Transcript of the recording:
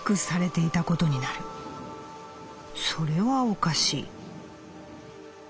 それはおかしい。